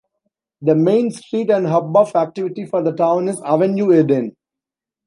The main street and hub of activity for the town is "Avenue Eden".